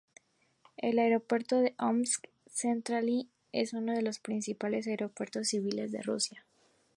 El Aeropuerto de Omsk-Tsentralny es uno de los principales aeropuertos civiles de Rusia.